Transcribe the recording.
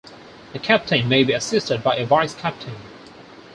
The captain may be assisted by a vice-captain.